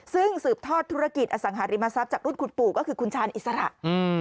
ซึ่งสืบทอดธุรกิจอสังหาริมทรัพย์จากรุ่นคุณปู่ก็คือคุณชาญอิสระ